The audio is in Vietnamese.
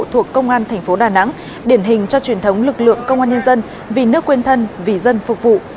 thuộc công an thành phố đà nẵng điển hình cho truyền thống lực lượng công an nhân dân vì nước quên thân vì dân phục vụ